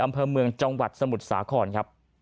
อำเภอเมืองจังหวัดสมุทรสาครครับ